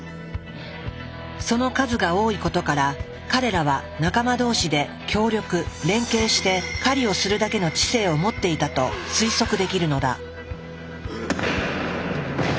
その数が多いことから彼らは仲間同士で協力連携して狩りをするだけの知性を持っていたと推測できるのだ。